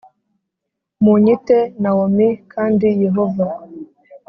Munyita nawomi kandi yehova